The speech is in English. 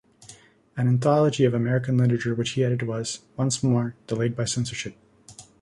An anthology of American literature which he edited was, once more, delayed by censorship.